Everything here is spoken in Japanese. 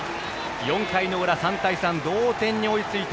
４回の裏、３対３同点に追いついた